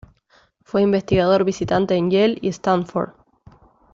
Fue investigador visitante en Yale y Stanford.